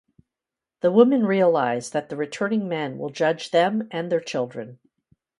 The women realize that the returning men will judge them and their children.